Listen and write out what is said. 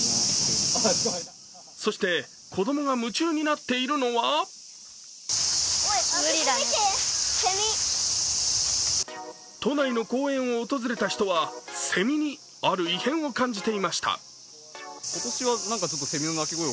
そして子供が夢中になっているのは都内の公園を訪れた人はセミにある異変を感じていました。